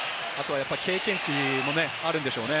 経験値もあるでしょうね。